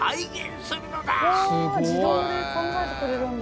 すごい。わあ自動で考えてくれるんだ。